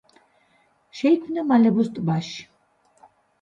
შეიქმნა მალებოს ტბაში.